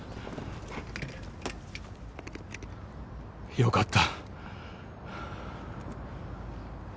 よかった。